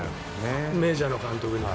メジャーの監督には。